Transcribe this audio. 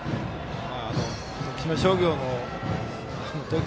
徳島商業の投球